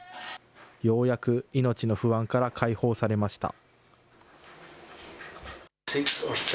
ようやく命の不安から解放されました。